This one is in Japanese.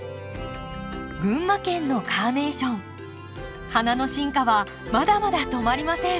群馬県のカーネーション花の進化はまだまだ止まりません。